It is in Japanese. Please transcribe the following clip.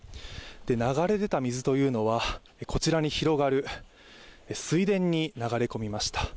流れ出た水というのはこちらに広がる水田に流れ込みました。